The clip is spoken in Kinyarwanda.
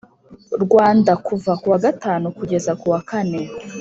Rwanda kuva ku wa gatanu kugeza kuwa kane